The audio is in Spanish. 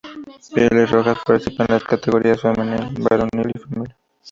Pieles Rojas participa en las categorías femenil, varonil y family.